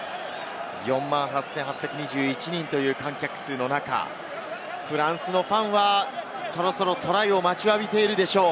４万８８２１人という観客数の中、フランスのファンはそろそろトライを待ちわびているでしょう。